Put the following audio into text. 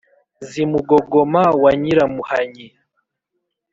zi mugogoma wa nyiramuhanyi